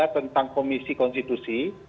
tentang komisi konstitusi